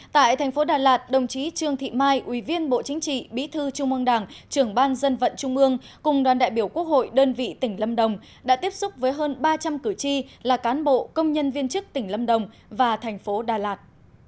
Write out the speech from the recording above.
tại thành phố đà lạt đồng chí trương thị mai ủy viên bộ chính trị bí thư trung ương đảng trưởng ban dân vận trung ương cùng đoàn đại biểu quốc hội đơn vị tỉnh lâm đồng đã tiếp xúc với hơn ba trăm linh cử tri là cán bộ công nhân viên chức tỉnh lâm đồng và thành phố đà lạt